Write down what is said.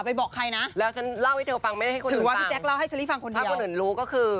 ไปบอกใครนะถือว่าพี่แจ๊กเล่าให้ฉลิฟังคนเดียวถ้าคนอื่นรู้ก็คือ